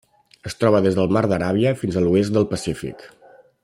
Es troba des del Mar d'Aràbia fins a l'oest del Pacífic.